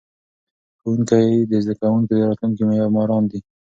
ښوونکي د زده کوونکو د راتلونکي معماران دي.